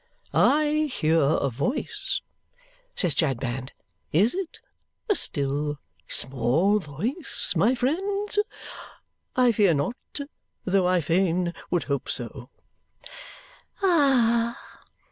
"I hear a voice," says Chadband; "is it a still small voice, my friends? I fear not, though I fain would hope so " "Ah h!"